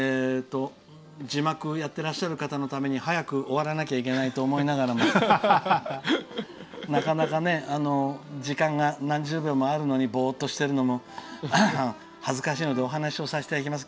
字幕をやっていらっしゃる方のために早く終わらなきゃいけないと思いながらもなかなかね時間が何十秒もあるのにボーっとしてるのも恥ずかしいのでお話させていただきます。